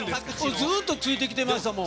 ずっとついてきてましたもん。